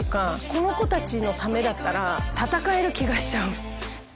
この子たちのためだったら戦える気がしちゃう。